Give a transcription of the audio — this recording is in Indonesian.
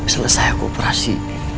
selesai aku operasi